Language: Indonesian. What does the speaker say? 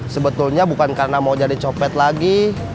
sebetulnya bukan karena mau jadi copet lagi